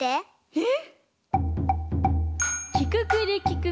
えっ！